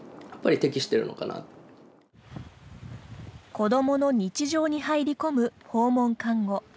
子どもの日常に入り込む訪問看護。